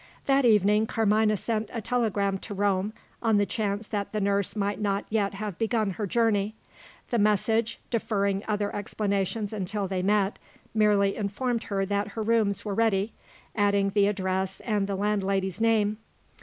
That evening, Carmina sent a telegram to Rome, on the chance that the nurse might not yet have begun her journey. The message (deferring other explanations until they met) merely informed her that her rooms were ready, adding the address and the landlady's name.